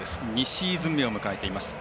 ２シーズン目を迎えています。